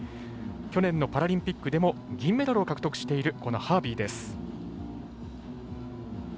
去年のパラリンピックでも銀メダルを獲得しているハービーです。